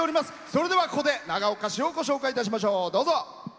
それではここで長岡市をご紹介いたしましょう。